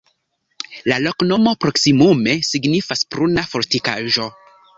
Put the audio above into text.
La loknomo proksimume signifas: pruna-fortikaĵo.